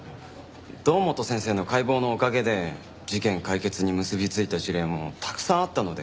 堂本先生の解剖のおかげで事件解決に結びついた事例もたくさんあったので。